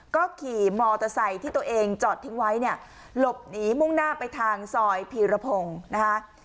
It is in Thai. ก็ขี่มอเตอร์ไซค์ที่ตัวเองจอดทิ้งไว้เนี่ยหลบหนีมุ่งหน้าไปทางซอยพีรพงศ์นะคะ